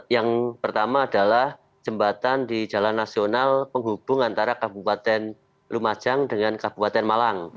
yang pertama adalah jembatan di jalan nasional penghubung antara kabupaten lumajang dengan kabupaten malang